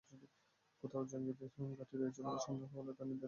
কোথাও জঙ্গিদের ঘাঁটি রয়েছে বলে সন্দেহ হলে, তা নির্দ্বিধায় উড়িয়ে দিতে পারবে।